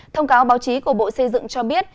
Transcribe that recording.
thông cáo báo chí của bộ xây dựng cho biết